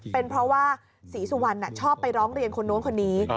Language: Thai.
เป็นเพราะว่าศรีสุวรรณชอบไปร้องเรียนคนนู้นคนนี้